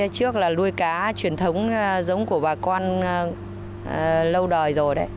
trước là nuôi cá truyền thống giống của bà con lâu đời